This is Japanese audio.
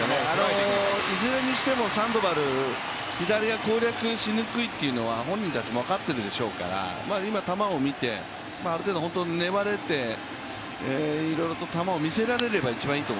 いずれにしてもサンドバル、左が攻略しにくいというのは本人たちも分かっているでしょうから今、球を見て、ある程度粘れて、いろいろと球を見せられれば一番いいと。